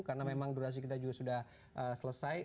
karena memang durasi kita juga sudah selesai